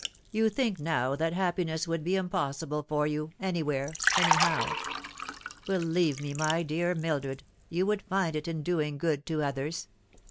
You think now that happiness would be impossible for you, anywhere, anyhow. Believe me, my dear Mildred, you would find it in doing good to others.